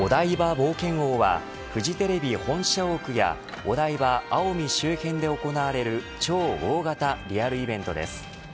冒険王はフジテレビ本社屋やお台場、青海周辺で行われる超大型リアルイベントです。